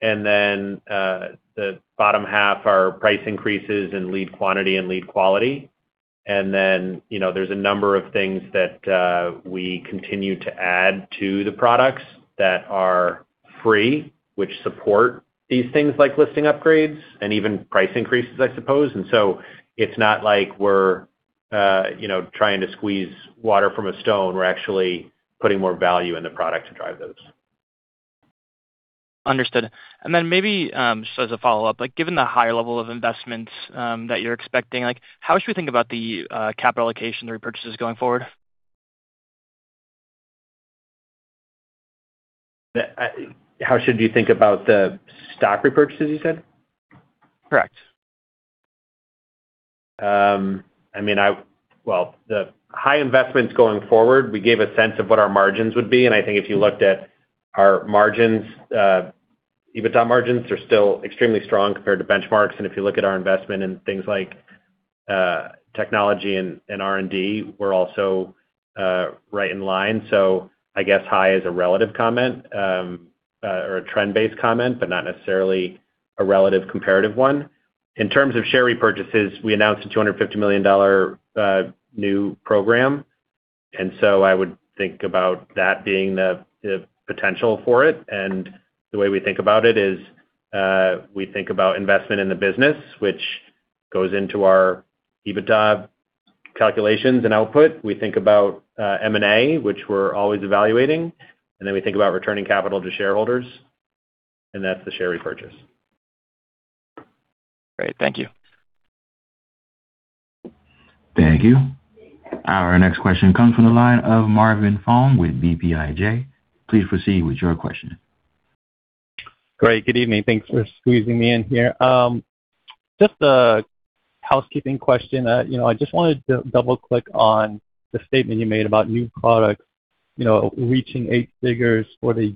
and then the bottom half are price increases and lead quantity and lead quality. And then, you know, there's a number of things that we continue to add to the products that are free, which support these things like listing upgrades and even price increases, I suppose. And so it's not like we're, you know, trying to squeeze water from a stone. We're actually putting more value in the product to drive those. Understood. And then maybe, just as a follow-up, like, given the higher level of investments, that you're expecting, like, how should we think about the capital allocation repurchases going forward? How should you think about the stock repurchases, you said? Correct. I mean, well, the high investments going forward, we gave a sense of what our margins would be, and I think if you looked at our margins, EBITDA margins are still extremely strong compared to benchmarks. And if you look at our investment in things like technology and R&D, we're also right in line. So I guess high is a relative comment, or a trend-based comment, but not necessarily a relative comparative one. In terms of share repurchases, we announced a $250 million new program, and so I would think about that being the potential for it. And the way we think about it is, we think about investment in the business, which goes into our EBITDA calculations and output. We think about M&A, which we're always evaluating, and then we think about returning capital to shareholders, and that's the share repurchase. Great. Thank you. Thank you. Our next question comes from the line of Marvin Fong with BTIG. Please proceed with your question. Great. Good evening. Thanks for squeezing me in here. Just a housekeeping question. You know, I just wanted to double-click on the statement you made about new products, you know, reaching eight figures for the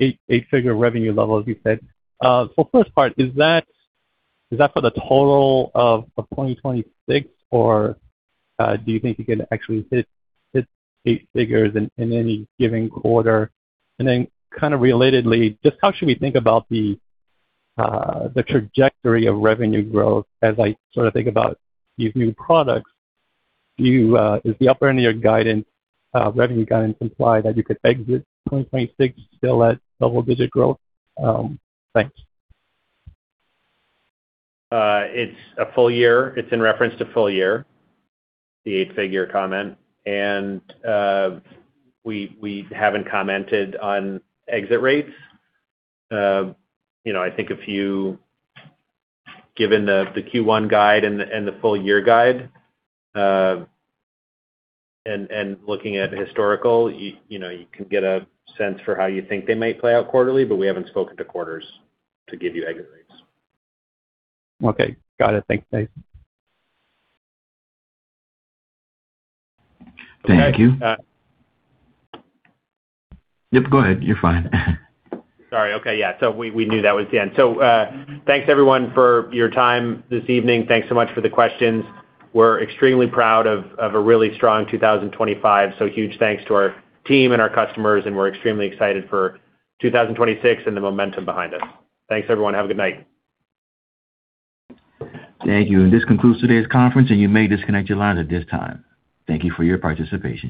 eight-figure revenue level, as you said. So first part, is that for the total of 2026, or do you think you could actually hit eight figures in any given quarter? And then kind of relatedly, just how should we think about the trajectory of revenue growth as I sort of think about these new products? Does the upper end of your guidance, revenue guidance imply that you could exit 2026 still at double-digit growth? Thanks. It's a full year. It's in reference to full year, the eight-figure comment, and we haven't commented on exit rates. You know, I think if you, given the Q1 guide and the full year guide, and looking at historical, you know, you can get a sense for how you think they might play out quarterly, but we haven't spoken to quarters to give you exit rates. Okay. Got it. Thanks, Jason. Thank you. Uh- Yep, go ahead. You're fine. Sorry. Okay. Yeah, so we knew that was the end. So thanks, everyone, for your time this evening. Thanks so much for the questions. We're extremely proud of a really strong 2025. So huge thanks to our team and our customers, and we're extremely excited for 2026 and the momentum behind us. Thanks, everyone. Have a good night. Thank you. This concludes today's conference, and you may disconnect your lines at this time. Thank you for your participation.